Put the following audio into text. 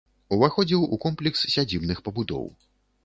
Уваходзіў у комплекс сядзібных пабудоў.